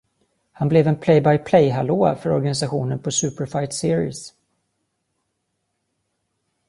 Han blev en play-by-play hallåa för organisationen på Superfight Series.